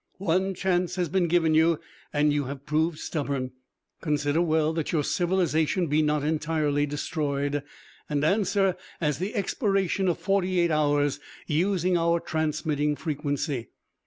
One chance has been given and you have proved stubborn. Consider well that your civilization be not entirely destroyed, and answer as the expiration of forty eight hours, using our transmitting frequency.